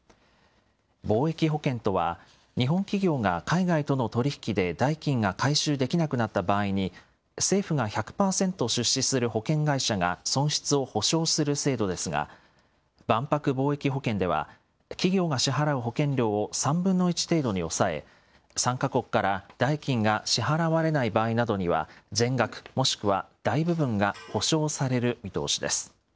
貿易保険とは、日本企業が海外との取り引きで代金が回収できなくなった場合に、政府が１００％出資する保険会社が損失を補償する制度ですが、万博貿易保険では、企業が支払う保険料を３分の１程度に抑え、参加国から代金が支払われない場合などには全額もしくは大部分が補償される見通しです。